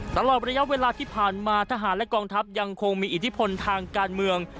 ตลอดระยะเวลาที่ผ่านมาทหารและกองทัพยังคงมีอิทธิพลทางการเมือง